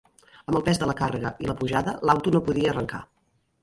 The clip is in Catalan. Amb el pes de la càrrega i la pujada l'auto no podia arrencar.